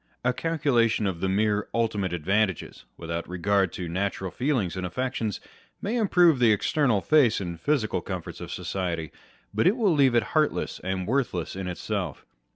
A calculation of the mere ultimate advantages, without regard to natural feelings and affections, may improve the external face and physical comforts of society, but will leave it heartless and worthless in itself.